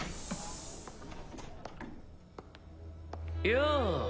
よう